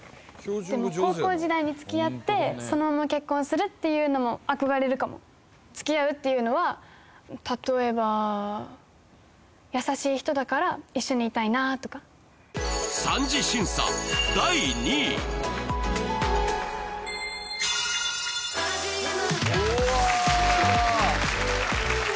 でも高校時代に付き合ってそのまま結婚するっていうのも憧れるかも付き合うっていうのは例えば優しい人だから一緒にいたいなーとか三次審査うわ！